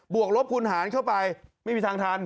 วกลบคูณหารเข้าไปไม่มีทางทัน